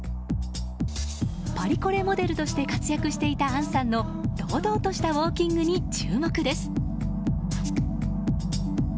パリコレモデルとして活躍していた杏さんの堂々としたウォーキングに注目です。